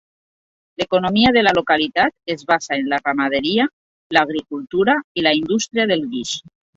L'economia de la localitat es basa en la ramaderia, l'agricultura i la indústria del guix.